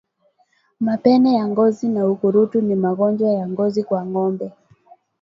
Mapele ya ngozi na ukurutu ni magonjwa ya ngozi kwa ngombe